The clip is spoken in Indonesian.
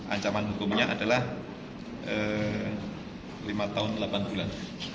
ancaman hukumnya adalah lima tahun delapan bulan